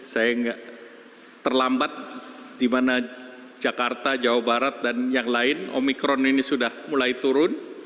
saya terlambat di mana jakarta jawa barat dan yang lain omikron ini sudah mulai turun